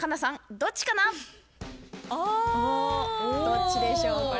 どっちでしょう？